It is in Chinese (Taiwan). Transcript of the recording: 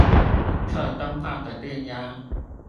測燈泡的電壓